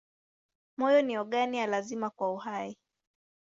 Moyo ni ogani ya lazima kwa uhai.